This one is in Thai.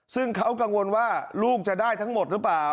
ซึ่งเขากังวลว่าลูกจะได้ทั้งหมดหรือเปล่า